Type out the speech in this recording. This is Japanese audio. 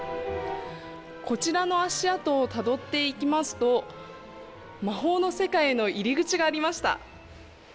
こちらの足跡をたどっていきますと、魔法の世界への入り口がありました。